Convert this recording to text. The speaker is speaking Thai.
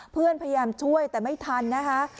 เพื่อนพยายามช่วยแต่ไม่ทันนะคะ